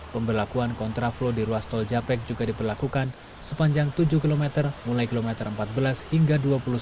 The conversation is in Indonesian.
pemberlakuan kontraflow di ruas tol japek juga diperlakukan sepanjang tujuh km mulai kilometer empat belas hingga dua puluh satu